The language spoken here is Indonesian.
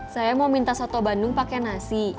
saya mau minta soto bandung pakai nasi